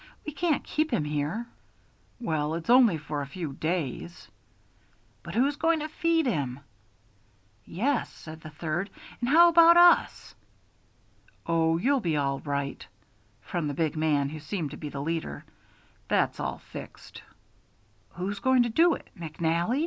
"We can't keep him here." "Well, it's only for a few days." "But who's goin' to feed him?" "Yes," said the third, "an' how about us?" "Oh, you'll be all right," from the big man, who seemed to be the leader; "that's all fixed." "Who's goin' to do it McNally?"